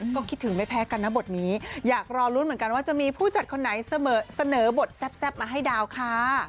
ก็คิดถึงไม่แพ้กันนะบทนี้อยากรอลุ้นเหมือนกันว่าจะมีผู้จัดคนไหนเสนอบทแซ่บมาให้ดาวค่ะ